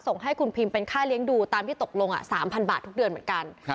ส่งให้คุณพิมเป็นค่าเลี้ยงดูตามที่ตกลง๓๐๐บาททุกเดือนเหมือนกัน